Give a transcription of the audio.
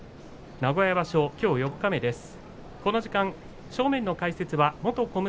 名古屋場所きょう四日目です。